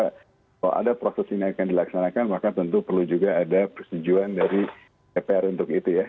kalau ada proses ini akan dilaksanakan maka tentu perlu juga ada persetujuan dari dpr untuk itu ya